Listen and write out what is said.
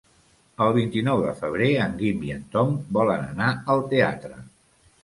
El vint-i-nou de febrer en Guim i en Tom volen anar al teatre.